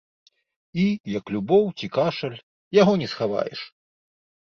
І, як любоў ці кашаль, яго не схаваеш.